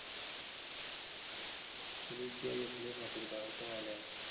Voice call ও internet ডেটার পরিপূর্ণ সুবিধা পেতে ফোরজির বিকল্প নেই।